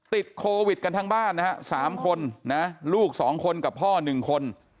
ติดโควิดกันทั้งบ้านนะครับสามคนนะลูกสองคนกับพ่อหนึ่งคน